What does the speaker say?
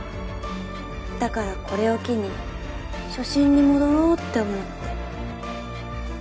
だからこれを機に初心に戻ろうって思って。